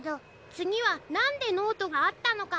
つぎは「なんでノートがあったのか？」